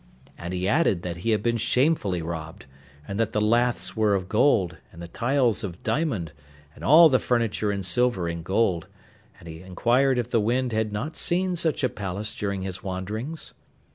And he added that he had been shamefully robbed, and that the laths were of gold and the tiles of diamond, and all the furniture in silver and gold, and he inquired if the wind had not seen such a palace during his wanderings.